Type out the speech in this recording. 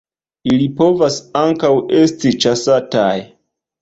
Ili povas ankaŭ esti ĉasataj.